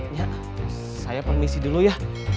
ya saya permisi dulu ya